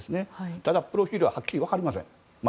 ただ、プロフィールはまだはっきり分かりません。